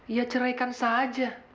ya ceraikan saja